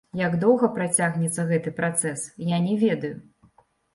Як доўга працягнецца гэты працэс, я не ведаю.